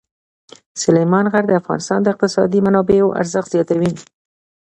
سلیمان غر د افغانستان د اقتصادي منابعو ارزښت زیاتوي.